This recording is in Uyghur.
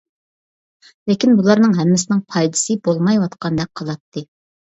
لېكىن بۇلارنىڭ ھەممىسىنىڭ پايدىسى بولمايۋاتقاندەك قىلاتتى.